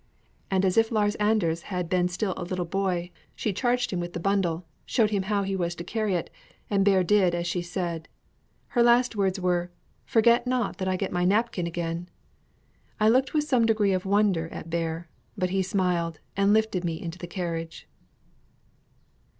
And as if Lars Anders had been still a little boy, she charged him with the bundle, showed him how he was to carry it, and Bear did as she said. Her last words were, "Forget not that I get my napkin again!" I looked with some degree of wonder at Bear; but he smiled, and lifted me into the carriage.